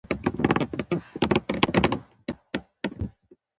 د افغانستان په رسمیت پېژندلو مسعله هم ډېره ټکنۍ شوله.